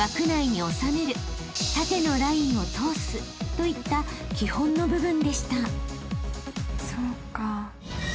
［といった基本の部分でした］